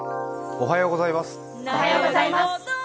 おはようございます。